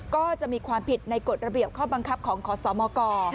ก็จะมีความผิดในกฎระเบียบข้อบังคับของขอสมก